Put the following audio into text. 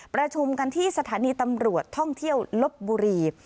ประชุมกันที่สถานีตำรวจท่องเที่ยวลบบุรี